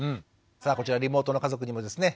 さあこちらリモートの家族にもですね